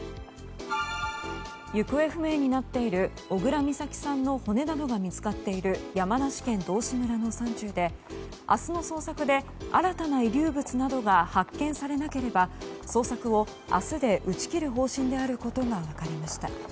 行方不明になっている小倉美咲さんの骨などが見つかっている山梨県道志村の山中で明日の捜索で新たな遺留物などが発見されなければ捜索を明日で打ち切る方針であることが分かりました。